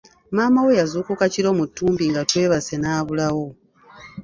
Maama wo yazuukuka kiro mu ttumbi nga twebase n'abulawo.